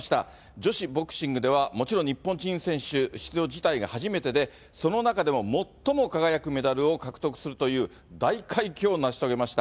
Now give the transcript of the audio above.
女子ボクシングではもちろん日本人選手出場自体が初めてで、その中でも最も輝くメダルを獲得するという、大快挙を成し遂げました。